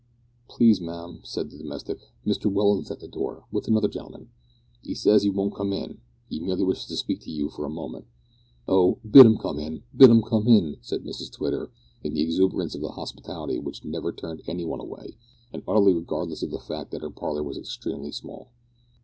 "Please, ma'am," said the domestic, "Mr Welland's at the door with another gentleman. 'E says 'e won't come in 'e merely wishes to speak to you for a moment." "Oh! bid 'em come in, bid 'em come in," said Mrs Twitter in the exuberance of a hospitality which never turned any one away, and utterly regardless of the fact that her parlour was extremely small.